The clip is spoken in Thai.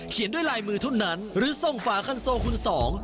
เขียนด้วยลายมือทุ่นนั้นหรือส่งฝากันโซคุณสอง